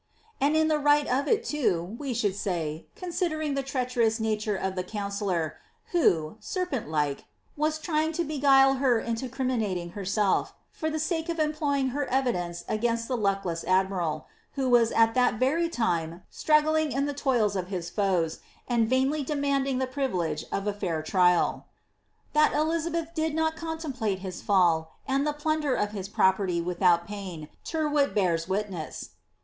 And in the right of it too, we should say, considering the treacherouB nature of the counsellor, who, serpent like, was trying to bffuile her into criminating herself, for the sake of employing her evi (ience against the luckless admiral, who was at that very time struggling in the toils of his foes, and vainly demanding the privilege of a fair trial. That Elizabeth did not contemplate his fall, and the plunder of his pro perty without pain Tyrwhit bears witness.